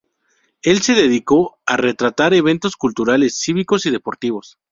El se dedicó a retratar eventos culturales, cívicos y deportivos.